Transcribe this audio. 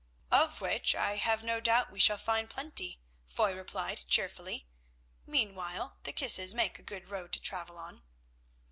"Of which I have no doubt we shall find plenty," Foy replied cheerfully. "Meanwhile, the kisses make a good road to travel on."